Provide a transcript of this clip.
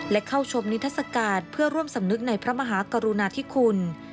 และเข้าชมนิทัศกาลเพื่อร่วมสำนึกในพระมหากรุณาธิคุณ